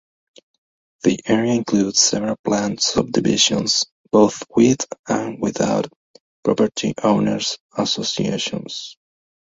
The area includes several planned subdivisions, both with and without property owners associations.